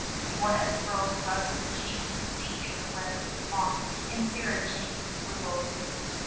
One of the girls rubbed her cheeks to see if the red would come off, and Sarah Jane wriggled.